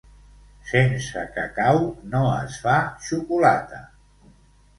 Sense cacau no es fa xocolata.